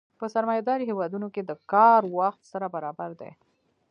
په سرمایه داري هېوادونو کې د کار وخت سره برابر دی